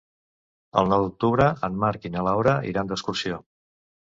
El nou d'octubre en Marc i na Laura iran d'excursió.